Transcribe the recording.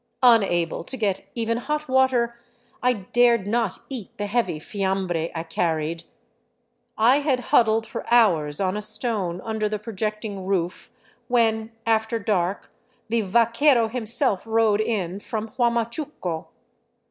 Unable to get even hot water, I dared not eat the heavy Hamhre I carried. I had huddled for hours on a stone under the projecting roof when, after dark, the vaquero himself rode in from Huamachuco.